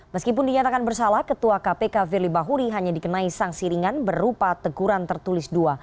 meskipun dinyatakan bersalah ketua kpk firly bahuri hanya dikenai sanksi ringan berupa teguran tertulis dua